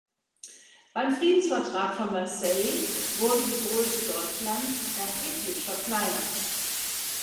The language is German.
Beim Friedensvertrag von Versailles wurde die Größe Deutschlands erheblich verkleinert.